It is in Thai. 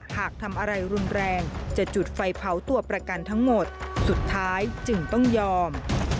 หากทำอะไรรุนแรงจะจุดไฟเผาตัวประกันทั้งหมดสุดท้ายจึงต้องยอม